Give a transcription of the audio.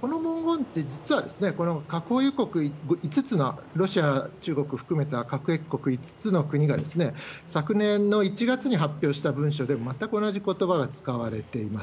この文言って、実は核保有国、５つのロシア、中国含めた核兵器国５つの国が昨年の１月に発表した文書で、全く同じことばが使われています。